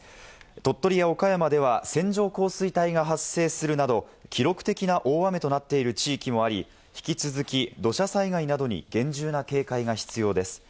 鳥取や岡山では線状降水帯が発生するなど、記録的な大雨となっている地域もあり、引き続き土砂災害などに厳重な警戒が必要です。